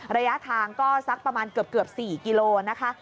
ระยะทางก็สักประมาณเกือบ๔กิโลนะคะ